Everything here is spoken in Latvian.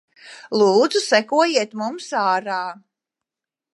Lūdzu sekojiet mums ārā.